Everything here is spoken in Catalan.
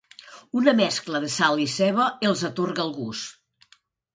Una mescla de sal i ceba els atorga el gust.